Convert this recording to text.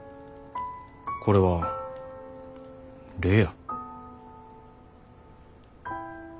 これは礼や。